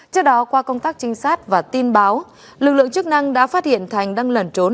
trước đó qua công tác trinh sát và tin báo lực lượng chức năng đã phát hiện thành đang lẩn trốn